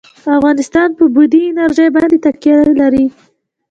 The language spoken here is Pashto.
افغانستان په بادي انرژي باندې تکیه لري.